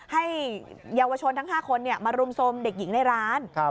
ให้เยาวชนทั้ง๕คนมารุมโทรมเด็กหญิงในร้าน